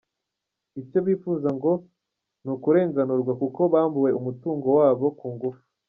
Icyo bifuza ngo ni ukurenganurwa kuko bambuwe umutungo wabo ku ngufu.